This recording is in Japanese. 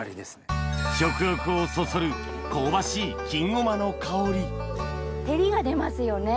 食欲をそそる香ばしい金ごまの香り照りが出ますよね。